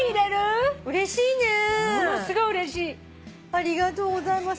ありがとうございます。